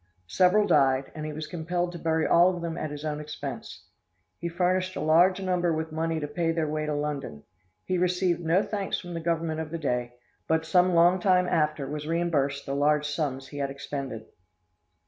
Several died, and he was compelled to bury all of them at his own expense; he furnished a large number with money to pay their way to London. He received no thanks from the Government of the day, but some long time after was reimbursed the large sums he had expended."